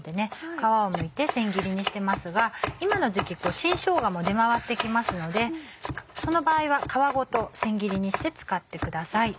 皮をむいて千切りにしてますが今の時期新しょうがも出回ってきますのでその場合は皮ごと千切りにして使ってください。